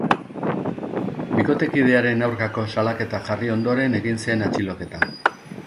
Bikotekidearen aurkako salaketa jarri ondoren egin zen atxiloketa.